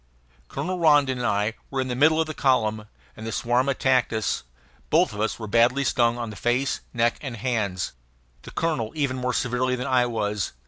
Colonel Rondon and I were in the middle of the column, and the swarm attacked us; both of us were badly stung on the face, neck, and hands, the colonel even more severely than I was.